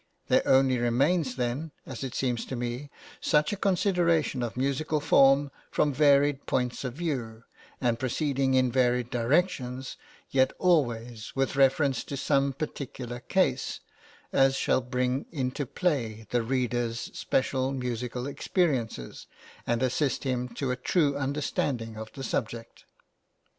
There only remains then, as it seems to me, such a consideration of musical form from varied points of view, and proceeding in varied directions, yet always with reference to some particular case, as shall bring into play the reader's special musical experiences and assist him to a true understanding of the subject.